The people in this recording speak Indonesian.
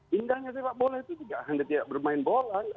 pindahnya sepak bola itu tidak hanya bermain bola